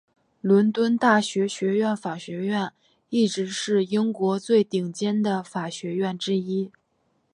伦敦大学学院法学院一直是英国最顶尖的法学院之一。